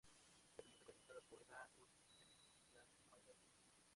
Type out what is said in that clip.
La película está protagonizada por Vanessa Hudgens y Sam Palladio.